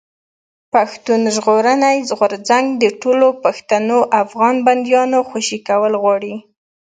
پښتون ژغورني غورځنګ د ټولو پښتنو افغانانو بنديانو خوشي کول غواړي.